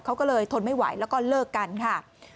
เขาก็เลยทนไม่ไหวแล้วก็เลิกกันค่ะ